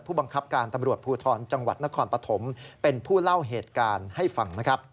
ผู้บังคับการตำรวจภูทรจังหวัดนครปฐมเป็นผู้เล่าเหตุการณ์ให้ฟังนะครับ